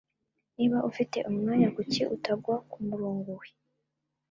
Niba ufite umwanya, kuki utagwa kumurongo we?